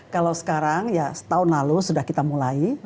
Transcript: kalau sekarang ya setahun lalu sudah kita mulai